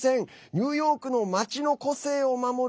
ニューヨークの街の個性を守る